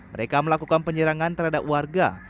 mereka melakukan penyerangan terhadap warga